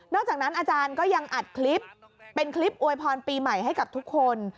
จากนั้นอาจารย์ก็ยังอัดคลิปเป็นคลิปอวยพรปีใหม่ให้กับทุกคน